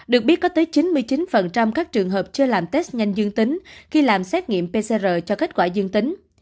được biết có tới chín mươi chín các trường hợp chưa làm test nhanh dương tính khi làm xét nghiệm pcr cho kết quả dương tính